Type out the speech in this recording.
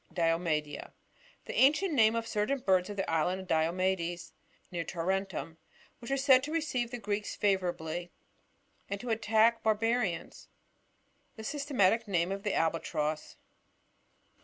Diomedea. — The afnrient name of certain birds of the island of Diomedcs, near Tarentum, which were said to receive the Greeks favourably, and to attack the bar barians. The systematic name of the Albatross.